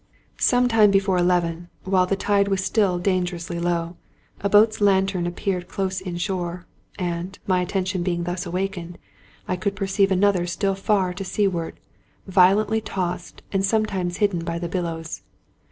Some time before eleven, while the tide was still danger ously low, a boat's lantern appeared close in shore ; and, my attention being thus awakened, I could perceive another still far to seaward, violently tossed, and sometimes hidden by the billows.